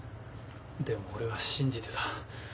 でも俺は信じてた。